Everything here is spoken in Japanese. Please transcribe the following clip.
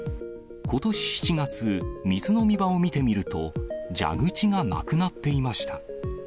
ことし７月、水飲み場を見てみると、蛇口がなくなっていました。